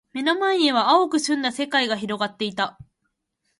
目の前には蒼く澄んだ世界が広がっていた。